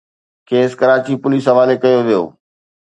کيس ڪراچي پوليس حوالي ڪيو ويو